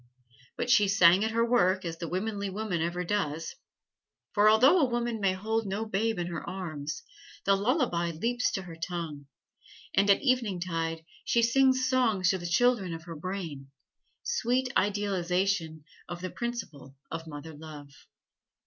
But she sang at her work, as the womanly woman ever does. For although a woman may hold no babe in her arms, the lullaby leaps to her tongue, and at eventide she sings songs to the children of her brain sweet idealization of the principle of mother love.